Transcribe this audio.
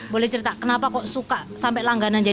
boleh cerita kenapa kok suka sampai langganan jadi